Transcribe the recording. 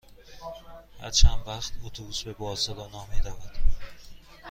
هر چند وقت اتوبوس به بارسلونا می رود؟